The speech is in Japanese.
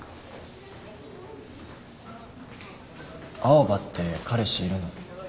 青羽って彼氏いるの？